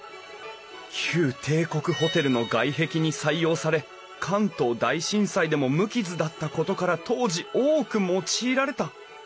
旧帝国ホテルの外壁に採用され関東大震災でも無傷だったことから当時多く用いられた。